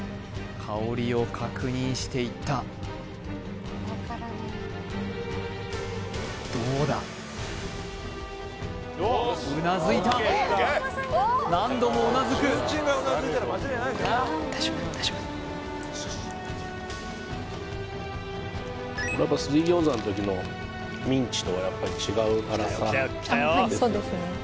香りを確認していったどうだうなずいた何度もうなずく水餃子の時のミンチとはやっぱり違う荒さ？